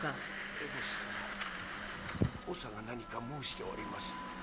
エボシ様長が何か申しております。